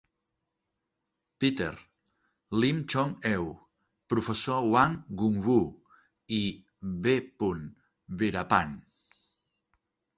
Peter, Lim Chong Eu, Professor Wang Gungwu, i V. Veerapan.